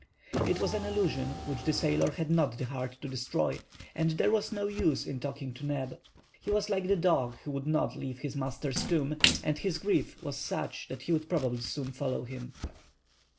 It was an illusion which the sailor had not the heart to destroy; and there was no use in talking to Neb. He was like the dog who would not leave his master's tomb, and his grief was such that he would probably soon follow him.